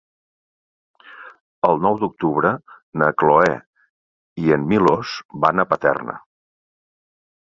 El nou d'octubre na Cloè i en Milos van a Paterna.